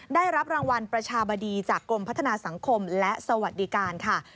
ได้รับรางวัลประชาบดีจากกรมพัฒนาสังคมและสวัสดิการค่ะ